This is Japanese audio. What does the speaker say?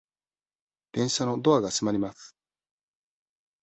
電車のドアが閉まります。